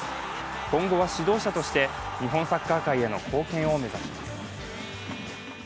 今後は指導者として日本サッカー界への貢献を目指します。